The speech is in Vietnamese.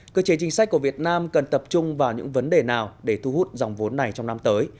cơ chế chính sách của việt nam cần tập trung vào những vấn đề nào để thu hút dòng vốn này trong năm tới